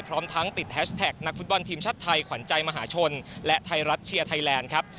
พร้อมทั้งติดแฮชแท็กนักฟุตบอลทีมชาติไทยขวัญใจมหาชนและไทยรัฐเชียร์ไทยแลนด์ครับ